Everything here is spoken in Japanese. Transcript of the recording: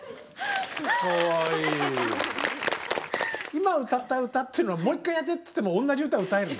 今歌った歌っていうのはもう一回やってと言っても同じ歌が歌えるの？